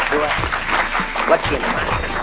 น่าจะหยุดเบอร์ดี้นี่วัดสนดอกอ๋อไม่มีตัวหยุดด้วยวัดเชียร์น้ำมัน